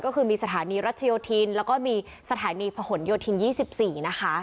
ก็คือมีสถานีรัชโยธินแล้วก็มีสถานีผนโยธิน๒๔นะคะ